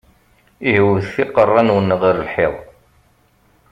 Ihi wwtet iqeṛṛa-nwen ɣer lḥiḍ!